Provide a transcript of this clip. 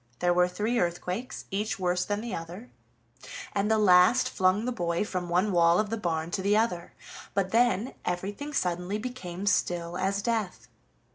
There were three earthquakes, each worse than the other, and the last flung the boy from one wall of the barn to the other, but then everything suddenly became still as death.